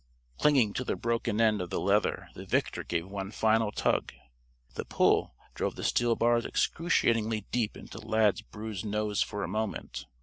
Clinging to the broken end of the leather the victor gave one final tug. The pull drove the steel bars excruciatingly deep into Lad's bruised nose for a moment.